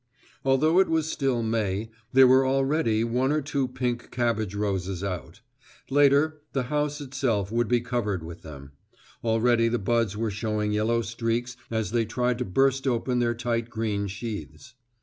Although it was still May, there were already one or two pink cabbage roses out; later, the house itself would be covered with them; already the buds were showing yellow streaks as they tried to burst open their tight green sheaths.